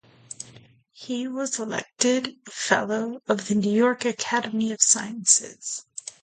He was elected a fellow of the New York Academy of Sciences.